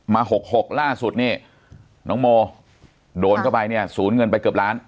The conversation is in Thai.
๖๖ล่าสุดนี่น้องโมโดนเข้าไปเนี่ยศูนย์เงินไปเกือบล้าน